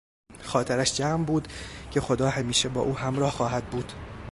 خاطرش جمع بود که خدا همیشه با او همراه خواهد بود.